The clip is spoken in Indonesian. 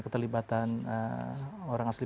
keterlibatan orang asli